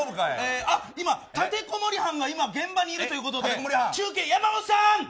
今、立てこもり犯が現場にいるということで中継、山本さん。